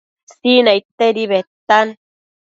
Sinaidtedi bedtan